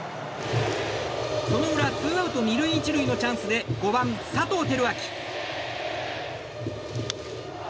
その裏、ツーアウト２塁１塁のチャンスで５番、佐藤輝明。